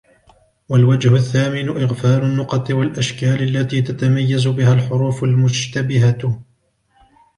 وَالْوَجْهُ الثَّامِنُ إغْفَالُ النُّقَطِ وَالْأَشْكَالِ الَّتِي تَتَمَيَّزُ بِهَا الْحُرُوفُ الْمُشْتَبِهَةُ